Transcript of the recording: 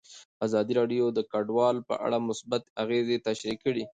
ازادي راډیو د کډوال په اړه مثبت اغېزې تشریح کړي.